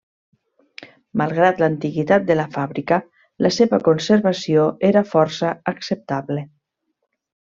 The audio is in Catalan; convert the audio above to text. Malgrat l'antiguitat de la fàbrica, la seva conservació era força acceptable.